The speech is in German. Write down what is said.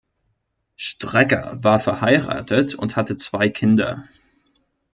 Strecker war verheiratet und hatte zwei Kinder.